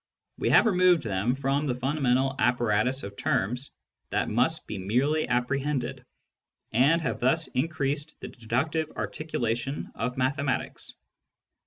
We have removed them from the fundamental apparatus of terms that must be merely appre hended, and have thus increased the deductive articulation of mathematics.